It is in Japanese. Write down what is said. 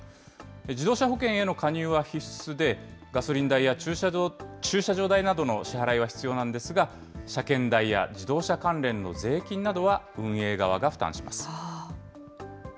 自動車保険への加入は必須で、ガソリン代や駐車場代などの支払いは必要なんですが、車検代や自動車関連の税金などは運営側が負担します。